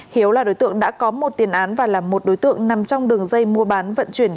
hiếu là đối tượng đã có một tiền án và là một đối tượng nằm trong đường dây mua bán vận chuyển